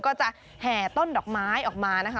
ก็จะแห่ต้นดอกไม้ออกมานะคะ